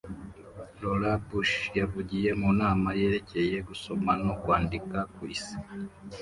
Laura Bush yavugiye mu nama yerekeye gusoma no kwandika ku isi